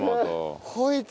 こいつ。